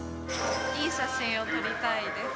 いい写真を撮りたいです。